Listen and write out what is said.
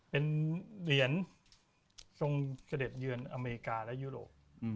เป็นเหรียญทรงเสด็จเยือนอเมริกาและยุโรป